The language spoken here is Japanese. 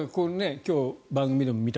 今日、番組でも見た